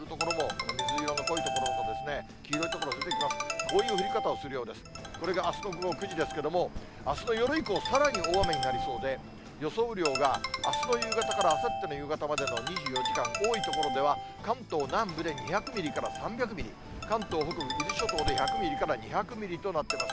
これがあすの午後９時ですけれども、あすの夜以降、さらに大雨になりそうで、予想雨量が、あすの夕方からあさっての夕方までの２４時間、多い所では関東南部で２００ミリから３００ミリ、関東北部、伊豆諸島で１００ミリから２００ミリとなってます。